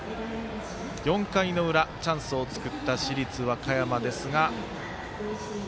４回の裏、チャンスを作った市立和歌山ですが。